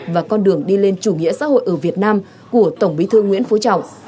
và con đường đi lên chủ nghĩa xã hội ở việt nam của tổng bí thư nguyễn phú trọng